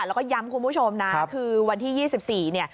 แล้วก็ย้ำคุณผู้ชมนะค่ะคือวันที่๒๔